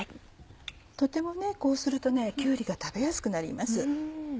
とてもこうするときゅうりが食べやすくなります。